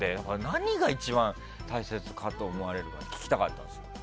何が一番大切かと思われるか聞きたかったんです。